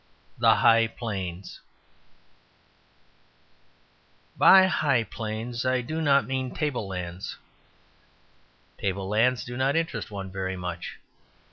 The High Plains By high plains I do not mean table lands; table lands do not interest one very much.